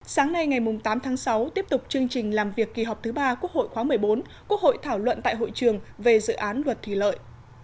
sáng nay ngày tám tháng sáu tiếp tục chương trình làm việc kỳ họp thứ ba quốc hội khóa một mươi bốn quốc hội thảo luận tại hội trường về dự án luật thủy lợi